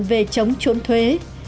về chống chuẩn thuế